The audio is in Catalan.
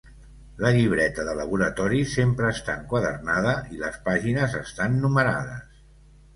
La llibreta de laboratori sempre està enquadernada i les pàgines estan numerades.